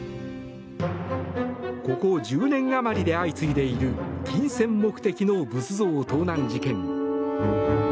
ここ１０年あまりで相次いでいる金銭目的の仏像盗難事件。